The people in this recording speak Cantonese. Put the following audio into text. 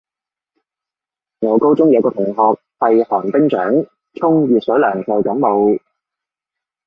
我高中有個同學係寒冰掌，沖熱水就感冒